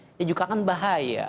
ini juga kan bahaya